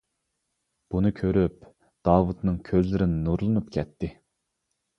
بۇنى كۆرۈپ داۋۇتنىڭ كۆزلىرى نۇرلىنىپ كەتتى.